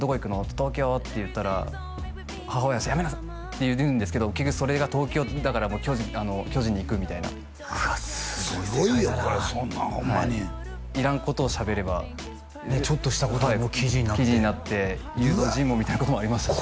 「東京」って言ったら母親「やめなさい」って言うんですけど結局それが東京だから巨人に行くみたいなうわすごい世界だなすごいよこれホンマにいらんことを喋ればちょっとしたことで記事になって記事になって誘導尋問みたいなこともありましたね